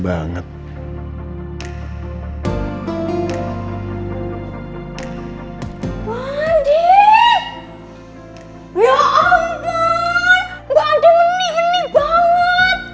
mbak adin menik menik banget